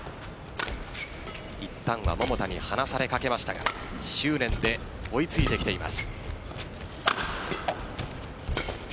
いったんは桃田に離されかけましたが執念で追いついてきています。